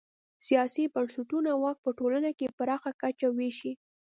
سیاسي بنسټونه واک په ټولنه کې پراخه کچه وېشي.